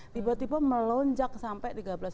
tiba tiba melonjak sampai tiga belas delapan ratus